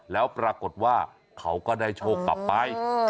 แล้วปรากฏว่าเขาก็ได้โชคกลับไป